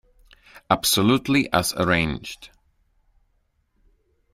Absolutely as arranged.